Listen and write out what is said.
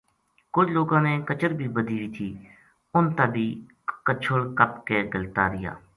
کُجھ لوکاں نے کچر بھی بَدھی وی تھی اُنھ تا بھی کَچھل کَپ کے گھَلتا رہیا